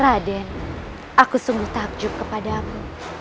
raden aku sungguh takjub kepadamu